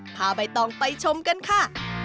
ใบตองไปชมกันค่ะ